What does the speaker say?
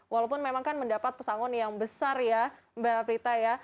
walaupun memang kan mendapat pesangon yang besar ya mbak prita ya